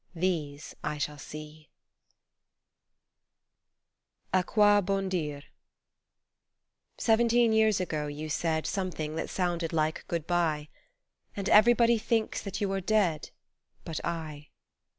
These I shall see A QUOI BON DIRE > EVENTEEN years ago you said j Something that sounded like Good bye ; And everybody thinks that you are dead, But I.